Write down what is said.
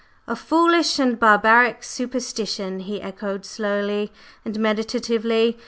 "'A foolish and barbaric superstition!'" he echoed slowly and meditatively.